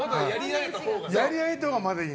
やり合えたほうがまだいい。